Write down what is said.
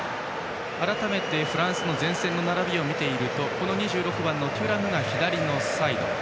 改めて、フランスの前線の並びを見ていると２６番のテュラムが左サイド。